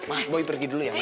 ma boy pergi dulu ya ma ya